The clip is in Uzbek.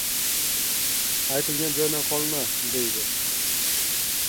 Aytilgan joydan qolma, deydi.